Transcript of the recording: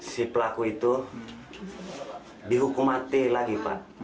si pelaku itu dihukum mati lagi pak